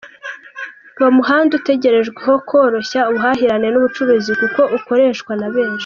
Uwo muhanda utegerejweho koroshya ubuhahirane n’ubucuruzi, kuko ukoreshwa na benshi.